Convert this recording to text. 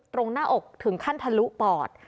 หน้าอกถึงขั้นทะลุปอด